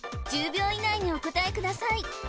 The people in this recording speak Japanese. １０秒以内にお答えください